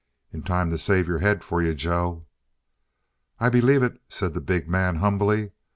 "In time to save your head for you, Joe." "I believe it," said the big man humbly.